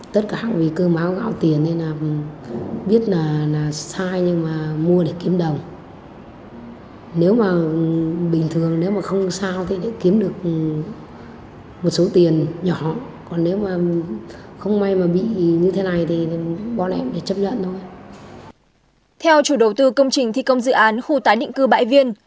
theo chủ đầu tư công trình thi công dự án khu tái định cư bãi viên